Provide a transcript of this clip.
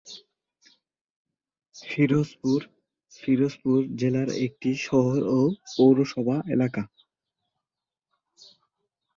ফিরোজপুর, ফিরোজপুর জেলার একটি শহর ও পৌরসভা এলাকা।